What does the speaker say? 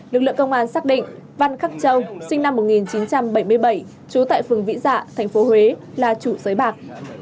lực lượng công an xác định văn khắc châu sinh năm một nghìn chín trăm bảy mươi bảy trú tại phường vĩ dạ tp huế là chủ giới bạc